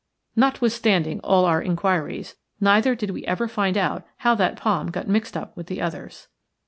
Notwithstanding all our inquiries, neither did we ever find out how that palm got mixed up with the others.